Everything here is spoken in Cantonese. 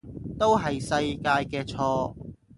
都係世界嘅錯